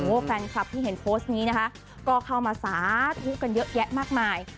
แฟนคลับที่เห็นโพสต์นี้นะคะก็เข้ามาสาธุกันเยอะแยะมากมาย